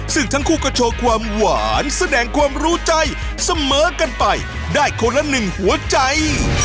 ซึ่งทั้งคู่ก็โชว์ความหวานแสดงความรู้ใจเสมอกันไปได้คนละหนึ่งหัวใจ